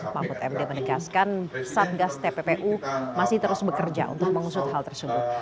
mahfud md menegaskan satgas tppu masih terus bekerja untuk mengusut hal tersebut